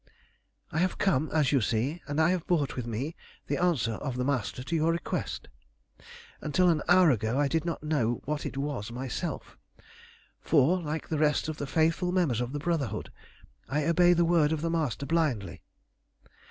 "I have come, as you see, and I have brought with me the answer of the Master to your request. Until an hour ago I did not know what it was myself, for, like the rest of the faithful members of the Brotherhood, I obey the word of the Master blindly.